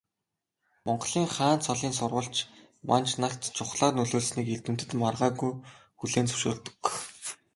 Монголын хаан цолын сурвалж манж нарт чухлаар нөлөөлснийг эрдэмтэд маргаангүй хүлээн зөвшөөрдөг.